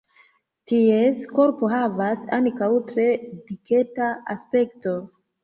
Ties korpo havas ankaŭ tre diketa aspekto.